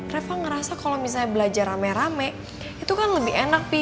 reva ngerasa kalau misalnya belajar rame rame itu kan lebih enak nih